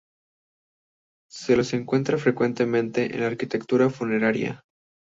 Se los encuentra frecuentemente en la arquitectura funeraria.